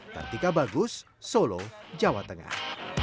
kartika bagus solo jawa tengah